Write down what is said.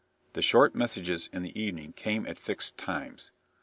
The short messages in the evening came at fixed times.